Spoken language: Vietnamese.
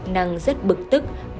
năng rất bực tức